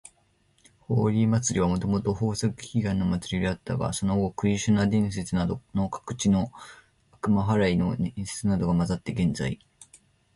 ホーリー祭はもともと豊作祈願の祭りであったが、その後クリシュナ伝説などの各地の悪魔払いの伝説などが混ざって、現在みられる形になった。